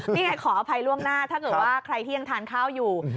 นี่ไงขออภัยล่วงหน้าถ้าเกิดว่าใครที่ยังทานข้าวอยู่